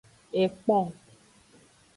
Ekpon.